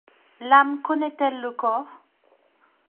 L’âme connaît-elle le corps ?